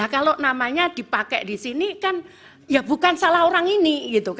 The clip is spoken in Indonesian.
kalau namanya dipakai di sini kan ya bukan salah orang ini